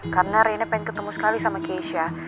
karena rina pengen ketemu sekali sama keisha